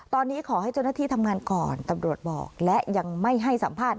ตอนนี้ขอให้เจ้าหน้าที่ทำงานก่อนตำรวจบอกและยังไม่ให้สัมภาษณ์